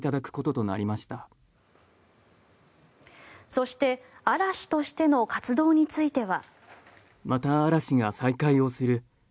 そして嵐としての活動については。